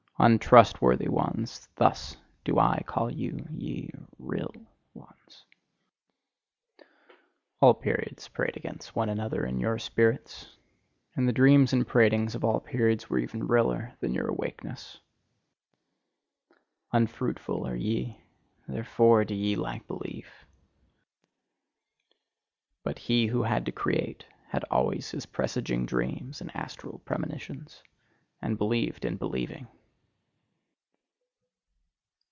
UNTRUSTWORTHY ONES: thus do I call you, ye real ones! All periods prate against one another in your spirits; and the dreams and pratings of all periods were even realer than your awakeness! Unfruitful are ye: THEREFORE do ye lack belief. But he who had to create, had always his presaging dreams and astral premonitions and believed in believing!